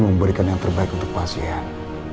memberikan yang terbaik untuk pasien